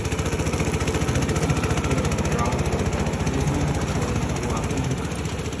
La noche siguiente en "Raw", Lesnar atacó de nuevo a Punk.